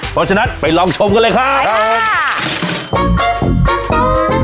เพราะฉะนั้นไปลองชมกันเลยค่ะไปค่ะ